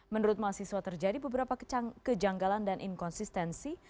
menurut mahasiswa terjadi beberapa kejanggalan dan inkonsistensi